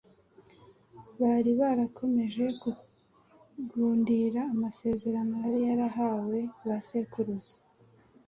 Bari barakomeje kugundira amasezerano yari yarahawe ba sekuruza